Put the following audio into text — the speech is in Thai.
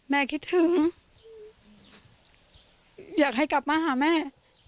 แม่คิดถึงอยากให้กลับมาหาแม่